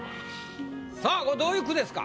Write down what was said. さぁこれどういう句ですか？